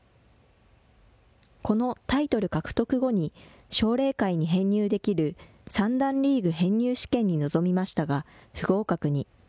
このタイトル獲得後に、奨励会に編入できる三段リーグ編入試験に臨みましたが、不合格に。